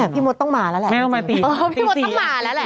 พี่มดต้องมาแล้วแหละพี่มดต้องมาแล้วแหละ